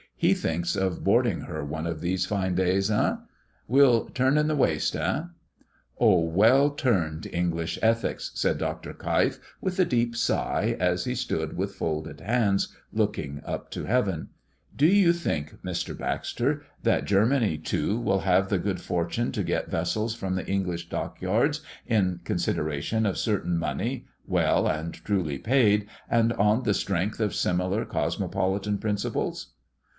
He thinks of boarding her one of these fine days, eh! Well turned in the waist, eh?'" "O well turned English ethics!" said Dr. Keif with a deep sigh, as he stood with folded hands, looking up to heaven. "Do you think, Mr. Baxter, that Germany too will have the good fortune to get vessels from the English dockyards in consideration of certain moneys well and truly paid, and on the strength of similar cosmopolitan principles?"